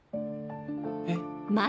えっ？